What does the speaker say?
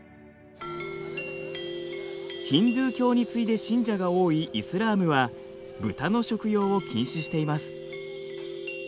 ヒンドゥー教に次いで信者が多いイスラームは豚の食用を禁止しています。